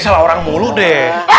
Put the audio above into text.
salah orang mulu deh